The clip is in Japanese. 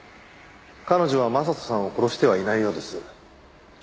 彼女は将人さんを殺してはいないようです。